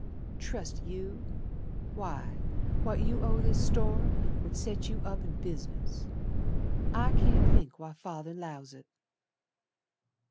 "Trust you! Why What you owe this store Would set you up in business. I can't think why Father 'lows it."